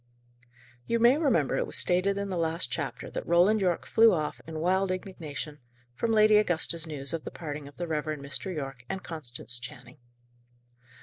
You may remember it was stated in the last chapter that Roland Yorke flew off, in wild indignation, from Lady Augusta's news of the parting of the Reverend Mr. Yorke and Constance Channing.